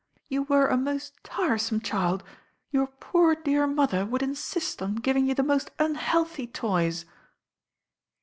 "You were a most tiresome child. Your poor, dear mother would insist on giving you the most unhealthy toys."